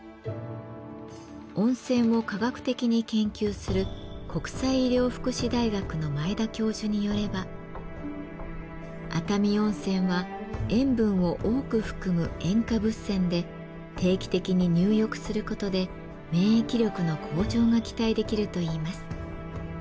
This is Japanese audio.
温泉を科学的に研究する国際医療福祉大学の前田教授によれば熱海温泉は塩分を多く含む塩化物泉で定期的に入浴することで免疫力の向上が期待できるといいます。